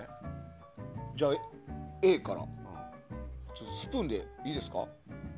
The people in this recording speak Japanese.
Ａからスプーンでいいですか。